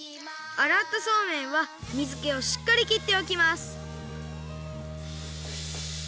あらったそうめんはみずけをしっかりきっておきます。